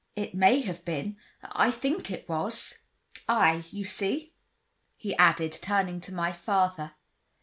"It may have been; I think it was." "Ay, you see?" he added, turning to my father.